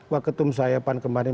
waketum saya pan kemarin